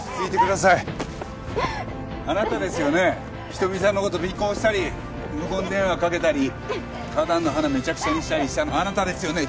仁美さんの事尾行したり無言電話かけたり花壇の花めちゃくちゃにしたりしたのあなたですよね？